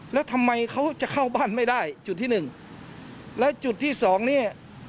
แล้วทำไมเขาจะเข้าบ้านไม่ได้จุดที่หนึ่งแล้วจุดที่สองเนี่ย